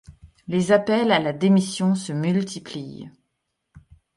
Les appels à la démission se multiplient.